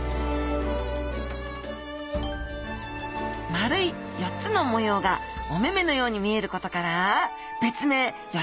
まるい４つの模様がおめめのように見えることから別名よ